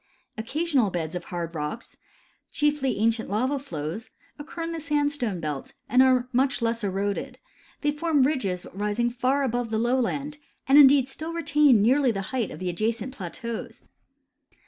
Occasional beds of hard rocks, chiefly ancient lava flows, occur in the sandstone belt, and are much less eroded ; they form ridges rising far above the lowland, and indeed still retain nearly the height of the adjacent plateaus.